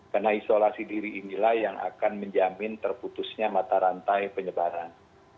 karena isolasi diri inilah yang akan menjamin terputusnya mata rantai penyebaran